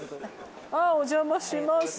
あっお邪魔します。